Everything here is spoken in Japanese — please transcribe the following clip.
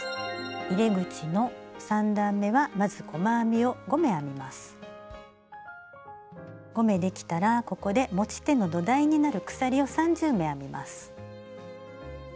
入れ口の３段めはまず５目できたらここで持ち手の土台になる鎖を３０目編みます。